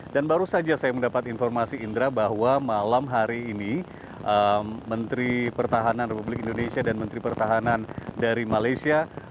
dan baru saja saya mendapat informasi indra bahwa malam hari ini menteri pertahanan republik indonesia dan menteri pertahanan dari malaysia